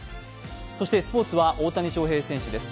そしてスポーツは大谷翔平選手です。